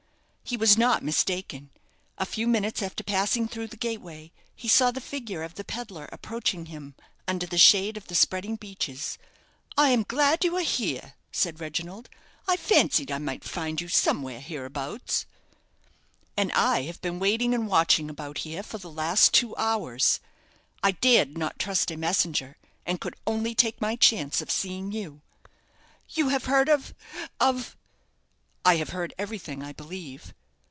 He was not mistaken. A few minutes after passing through the gateway, he saw the figure of the pedlar approaching him under the shade of the spreading beeches. "I am glad you are here," said Reginald; "I fancied I might find you somewhere hereabouts." "And I have been waiting and watching about here for the last two hours. I dared not trust a messenger, and could only take my chance of seeing you." "You have heard of of " "I have heard everything, I believe."